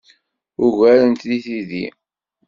Ugaren-t deg tiddi.